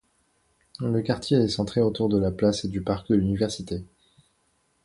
Le quartier est centré autour de la place et du parc de l'Université.